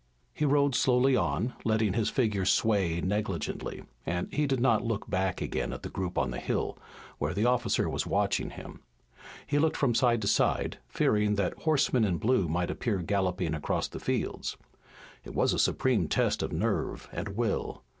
He rode slowly on, letting his figure sway negligently, and he did not look back again at the group on the hill, where the officer was watching him. But he looked from side to side, fearing that horsemen in blue might appear galloping across the fields. It was a supreme test of nerve and will.